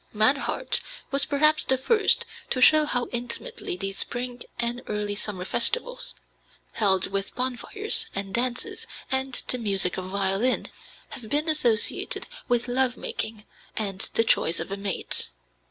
Mannhardt was perhaps the first to show how intimately these spring and early summer festivals held with bonfires and dances and the music of violin have been associated with love making and the choice of a mate.